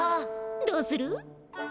どうする？